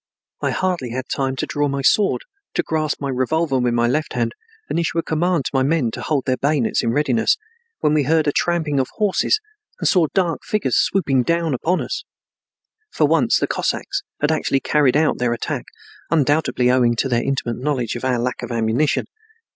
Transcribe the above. I hardly had time to draw my sword, to grasp my revolver with my left hand and issue a command to my men to hold their bayonets in readiness, when we heard a tramping of horses and saw dark figures swooping down upon us. For once the Cossacks actually carried out their attack, undoubtedly owing to their intimate knowledge of our lack of ammunition.